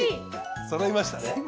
そろいましたね。